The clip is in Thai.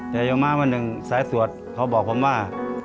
เดี๋ยวมาวันหนึ่งสายสวดเขาบอกผมว่า